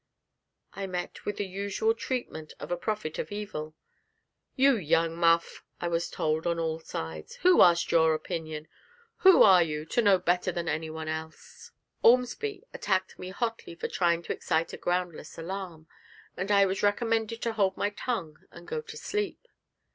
I met with the usual treatment of a prophet of evil. 'You young muff,' I was told on all sides, 'who asked your opinion? Who are you, to know better than anyone else?' Ormsby attacked me hotly for trying to excite a groundless alarm, and I was recommended to hold my tongue and go to sleep.